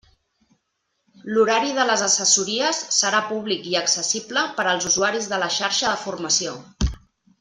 L'horari de les assessories serà públic i accessible per als usuaris de la xarxa de formació.